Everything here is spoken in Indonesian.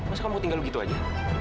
masa kamu tinggal begitu aja